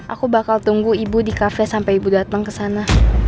aku bakal tunggu ibu di cafe sampe ibu dateng kesana